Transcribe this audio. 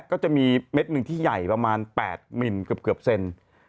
ก็จะมีเม็ดหนึ่งที่ใหญ่ประมาณ๘มิลเกือบเซน